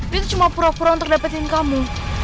itu cuma pura pura untuk dapetin kamu